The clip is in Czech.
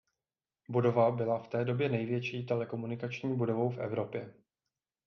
Budova byla v té době největší telekomunikační budovou v Evropě.